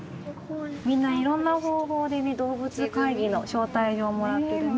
みんないろんな方法でね「動物会議」の招待状もらってるね。